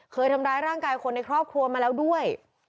เคยทำร้ายร่างกายคนในครอบครัวมาแล้วด้วย